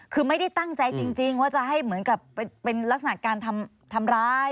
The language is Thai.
คือไม่ได้ตั้งใจจริงว่าจะให้เหมือนกับเป็นลักษณะการทำร้าย